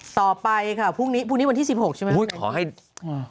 ต่อไปค่ะพรุ่งนี้วันที่๑๖ใช่ไหม